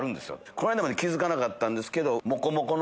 この間まで気付かなかったんですけど。